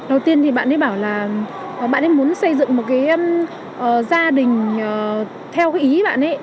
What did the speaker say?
đầu tiên bạn ấy bảo là bạn ấy muốn xây dựng một gia đình theo ý bạn ấy